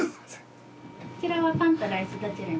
こちらはパンとライスどちらに？